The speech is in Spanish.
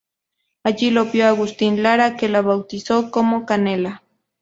Allí lo vio Agustín Lara que lo bautizó como "Canela".